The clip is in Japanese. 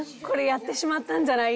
やってしまったんじゃない？